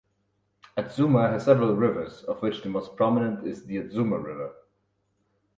Atsuma has several rivers of which the most prominent is the Atsuma River.